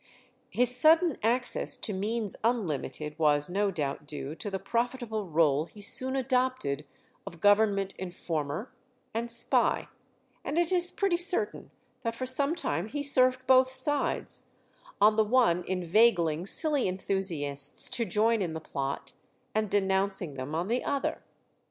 His sudden access to means unlimited was no doubt due to the profitable rôle he soon adopted of Government informer and spy, and it is pretty certain that for some time he served both sides; on the one inveigling silly enthusiasts to join in the plot, and denouncing them on the other.